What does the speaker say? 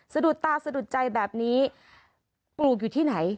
สะดุดตาสะดุดใจแบบนี้ปลูกอยู่ที่ไหน